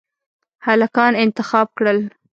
هلکان انتخاب کړل.